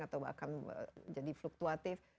atau bahkan jadi fluktuatif